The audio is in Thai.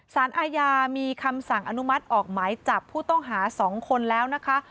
สารอาญามีคำสั่งอนุมัติออกหมายจับผู้ต้องหา๒คนแล้วนะคะ